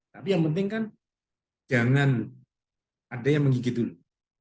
tapi yang penting kan jangan ada yang menggigit dulu